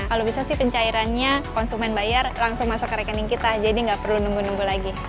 kalau bisa sih pencairannya konsumen bayar langsung masuk ke rekening kita jadi nggak perlu nunggu nunggu lagi